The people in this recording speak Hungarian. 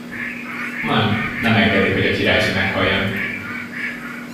Nem, nem engedi, hogy a királyfi meghaljon!